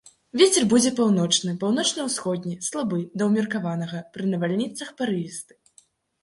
Вецер будзе паўночны, паўночна-ўсходні слабы да ўмеркаванага, пры навальніцах парывісты.